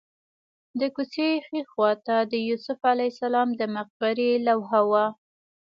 د کوڅې ښي خوا ته د یوسف علیه السلام د مقبرې لوحه وه.